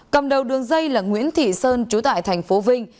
cầm đầu đường dây là nguyễn thị sơn trú tại tp vinh